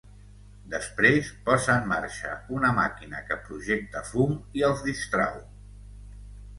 Després, posa en marxa una màquina que projecta fum i els distrau.